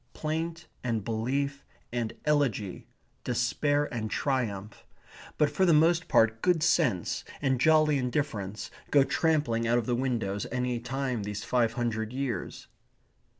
Plaint and belief and elegy, despair and triumph, but for the most part good sense and jolly indifference, go trampling out of the windows any time these five hundred years.